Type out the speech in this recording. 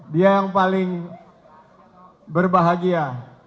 dia yang paling berbahagia